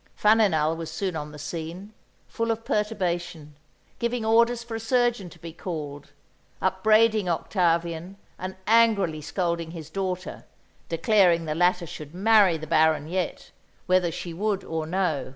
Faninal was soon on the scene, full of perturbation, giving orders for a surgeon to be called, upbraiding Octavian and angrily scolding his daughter, declaring the latter should marry the Baron yet, whether she would or no.